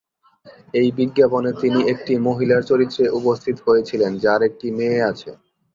এই বিজ্ঞাপনে তিনি একটি মহিলার চরিত্রে উপস্থিত হয়েছিলেন, যার একটি মেয়ে আছে।